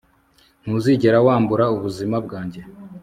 ntuzigera wambura ubuzima bwanjye